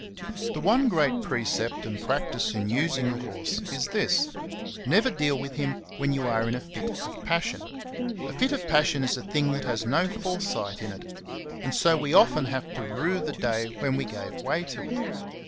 The one great precept and practice in using a horse is this, — never deal with him when you are in a fit of passion. A fit of passion is a thing that has no foresight in it, and so we often have to rue the day when we gave way to it.